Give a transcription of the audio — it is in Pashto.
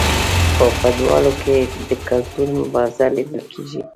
خو په دواړو کې د کلتور مبارزه لیدل کیږي.